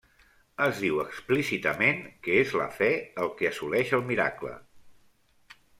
Es diu explícitament que és la fe el que assoleix el miracle.